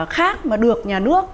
khác mà được nhà nước